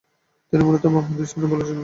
তিনি মূলতঃ বামহাতি স্পিন বোলার ছিলেন।